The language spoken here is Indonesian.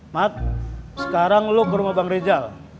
mat sekarang lo ke rumah bang rejal